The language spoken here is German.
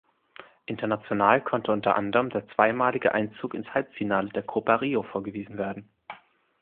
International konnte unter anderem der zweimalige Einzug ins Halbfinale der Copa Rio vorgewiesen werden.